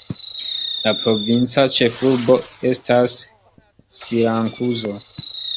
La provinca ĉefurbo estas Sirakuzo.